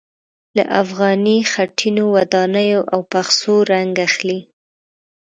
له افغاني خټينو ودانیو او پخڅو رنګ اخلي.